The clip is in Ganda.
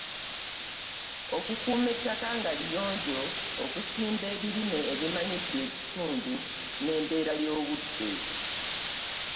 Okukuuma ettaka nga liyonjo, okusimba ebirime ebimanyidde ekitundu n’embeera y’obudde